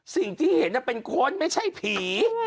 สิ่งที่เห็นเป็นคนไม่ใช่ผี